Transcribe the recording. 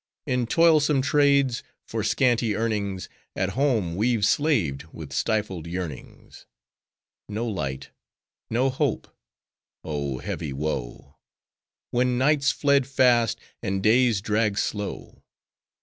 In toilsome trades, for scanty earnings, At home we've slaved, with stifled yearnings: No light! no hope! Oh, heavy woe! When nights fled fast, and days dragged slow.